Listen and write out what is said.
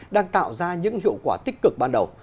đang tạo ra những hiệu quả tích cực ban đầu